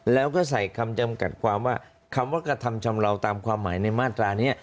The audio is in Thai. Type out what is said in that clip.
แล้วก็ใส่คำจำกัดความว่าคำว่ากระทำชำเลาตามความหมายในมาตรานี้